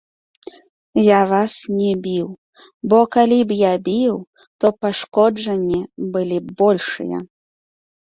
Я вас не біў, бо калі б я біў, то пашкоджанні былі б большыя.